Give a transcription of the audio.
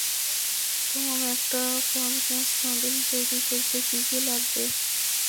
Tom, একটা forecast model তৈরী করতে কী কী লাগবে?